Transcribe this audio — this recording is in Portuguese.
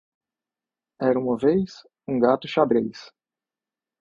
Era uma vez, um gato xadrez.